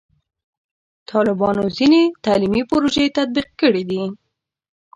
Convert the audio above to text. طالبانو ځینې تعلیمي پروژې تطبیق کړي دي.